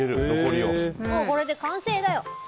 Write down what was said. これで完成だよ。